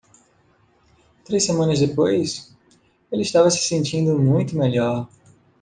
Três semanas depois,? ele estava se sentindo muito melhor.